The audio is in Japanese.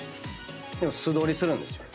でも素通りするんですよ。